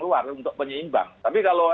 luar untuk penyeimbang tapi kalau